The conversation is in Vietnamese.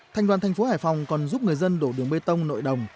thành đoàn thành phố hải phòng còn giúp người dân đổ đường bê tông nội đồng